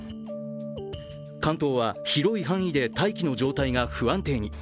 関東は、広い範囲で大気の状態が不安定に。